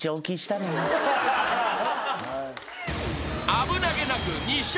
［危なげなく２笑